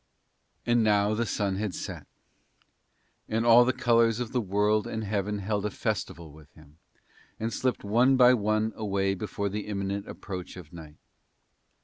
And now the sun had set, and all the colours of the world and heaven had held a festival with him, and slipped one by one away before the imminent approach of night.